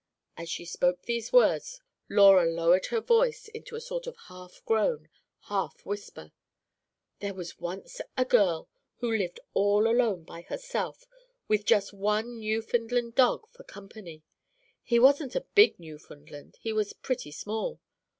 As she spoke these words, Laura lowered her voice, into a sort of half groan, half whisper. "There was once a girl who lived all alone by herself, with just one Newfoundland dog for company. He wasn't a big Newfoundland, he was pretty small.